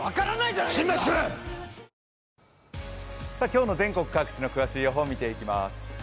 今日の全国各地の詳しい予報を見ていきます。